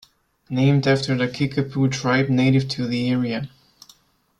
Named after the Kickapoo tribe native to the area.